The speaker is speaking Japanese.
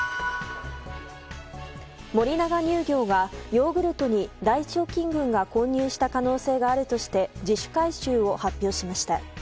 森永乳業がヨーグルトに大腸菌群が混入した可能性があるとして自主回収を発表しました。